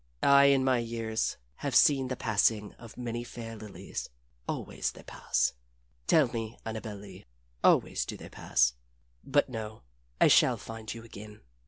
I in my years have seen the passing of many fair lilies. Always they pass. Tell me, Annabel Lee, always do they pass? But no I shall find you again.